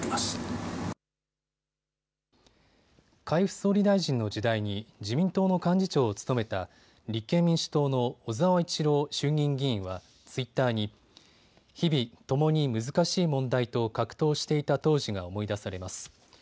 海部総理大臣の時代に自民党の幹事長を務めた立憲民主党の小沢一郎衆議院議員はツイッターに日々、共に、難しい問題と格闘していた当時が思い出されます。